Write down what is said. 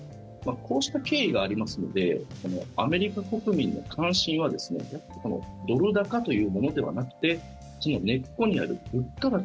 こうした経緯がありますのでアメリカ国民の関心はドル高というものではなくてその根っこにある物価高